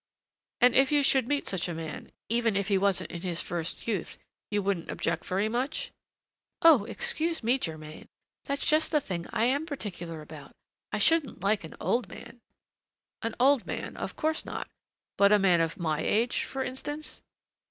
"And if you should meet such a man, even if he wasn't in his first youth, you wouldn't object very much?" "Oh! excuse me, Germain. That's just the thing I am particular about. I shouldn't like an old man." "An old man, of course not; but a man of my age, for instance?"